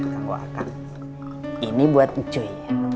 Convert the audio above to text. tengok kang ini buat ucuy